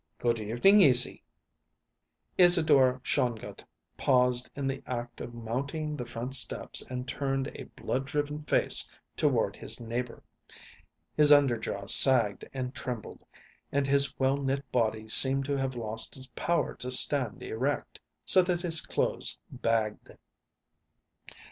"Good evening, Izzy." Isadora Shongut paused in the act of mounting the front steps and turned a blood driven face toward his neighbor. His under jaw sagged and trembled, and his well knit body seemed to have lost its power to stand erect, so that his clothes bagged.